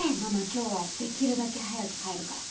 今日はできるだけ早く帰るから。